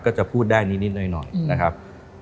ก็จะพูดได้นิดหน่อยนะครับ